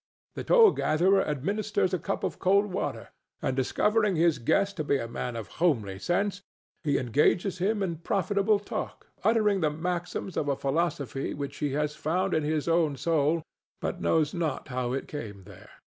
The toll gatherer administers a cup of cold water, and, discovering his guest to be a man of homely sense, he engages him in profitable talk, uttering the maxims of a philosophy which he has found in his own soul, but knows not how it came there.